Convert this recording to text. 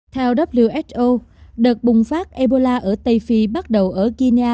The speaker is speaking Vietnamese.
theo who đợt bùng phát ebola ở tây phi bắt đầu ở kenya